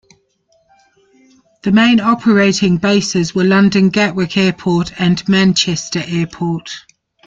The main operating bases were London Gatwick Airport and Manchester Airport.